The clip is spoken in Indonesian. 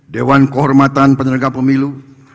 dewan kehormatan penyelenggara pemilu